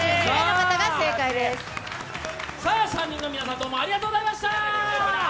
３人の皆さん、どうもありがとうございました。